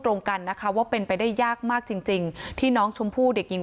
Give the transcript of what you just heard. ตรงกันนะคะว่าเป็นไปได้ยากมากจริงจริงที่น้องชมพู่เด็กหญิง